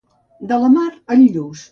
De la mar, el lluç.